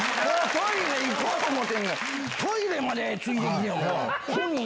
トイレ行こうと思てんのに。